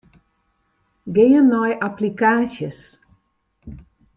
Gean nei applikaasjes.